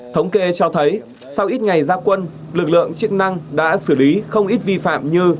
thống kê cho thấy sau ít ngày gia quân lực lượng chức năng đã xử lý không ít vi phạm như